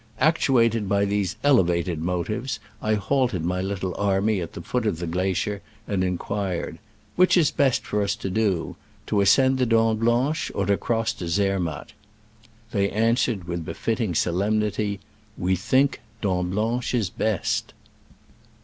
Actuated by these elevated motives, I halted my little army at the foot of the glacier, and inquired, " Which is best for us to do ?— to ascend the Dent Blanche, or to cross to Zemiatt ?" They answered, with befitting solemnity, "We think Dent Blanche is best."